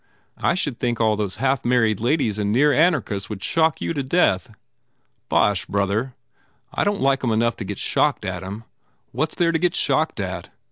"I should think all those half married ladies and near anarchists would shock you to death." "Bosh, brother. I don t like em enough to get shocked at em. What s there to get shocked at?